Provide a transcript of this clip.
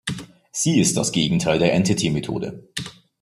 Sie ist das Gegenteil der Entity-Methode.